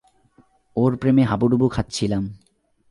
ওর প্রেমে হাবুডুবু খাচ্ছিলাম।